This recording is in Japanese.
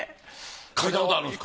描いたことあるんですか？